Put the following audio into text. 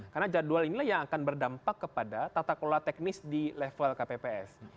karena jadwal inilah yang akan berdampak kepada tata kelola teknis di level kpps